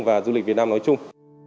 và du lịch việt nam nói chung